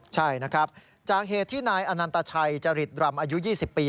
ใช่นะครับจากเหตุที่นายอนันตชัยจริตรำอายุ๒๐ปี